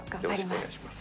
お願いします。